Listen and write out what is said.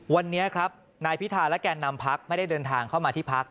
วันนี้ครับนายพิธาและแก่นำพักไม่ได้เดินทางเข้ามาที่พัก